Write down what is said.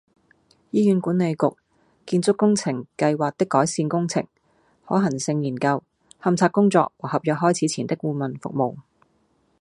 醫院管理局－建築工程計劃的改善工程、可行性研究、勘測工作和合約開始前的顧問服務